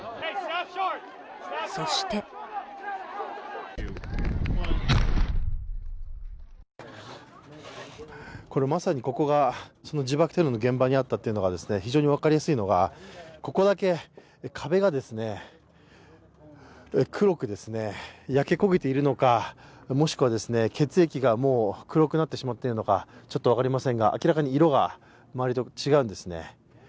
そしてまさにここが自爆テロの現場にあったというのが非常に分かりやすいのがここだけ壁が黒く焼け焦げているのか、もしくは血液がもう黒くなってしまっているのかちょっと分かりませんが、明らかに色が周りと違うんですね。